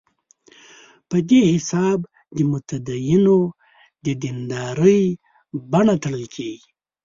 په دې حساب د متدینو د دیندارۍ بڼه تړل کېږي.